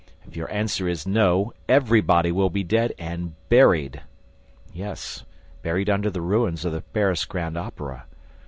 If your answer is no, everybody will be dead AND BURIED!" Yes, buried under the ruins of the Paris Grand Opera!